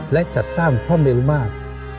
และจัดสร้างพระเมรุมาตร